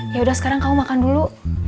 yaudah sekarang kamu makan dulu